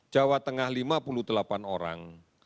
jawa tengah lima puluh delapan orang